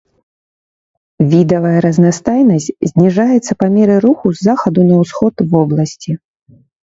Відавая разнастайнасць зніжаецца па меры руху з захаду на ўсход вобласці.